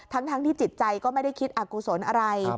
ทั้งที่จิตใจก็ไม่ได้คิดอากุศลอะไร